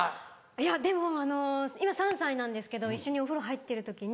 いやでも今３歳なんですけど一緒にお風呂入ってる時に。